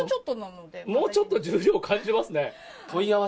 もうちょっと重量感じますね。